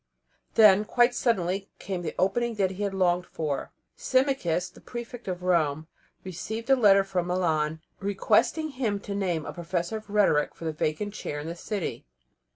And then, quite suddenly, came the opening that he had longed for. Symmachus, the Prefect of Rome, received a letter from Milan, requesting him to name a professor of rhetoric for the vacant chair in that city.